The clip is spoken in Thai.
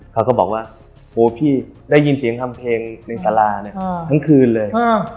เขาก็บอกว่าโอ้พี่ได้ยินเสียงทำเพลงในสาราเนี่ยทั้งคืนเลย